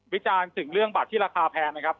วิจารณ์ถึงเรื่องบัตรที่ราคาแพงนะครับ